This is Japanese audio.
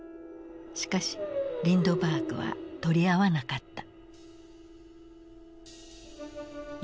しかしリンドバーグは取り合わなかった。